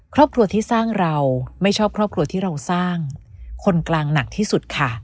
ครอบครัวที่สร้างเราไม่ชอบครอบครัวที่เราสร้างคนกลางหนักที่สุดค่ะ